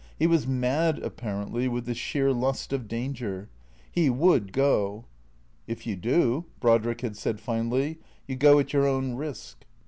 He was mad, apparently, with the sheer lust of danger. He would go. " If you do," Brodriek had said finally, " you go at your own risk."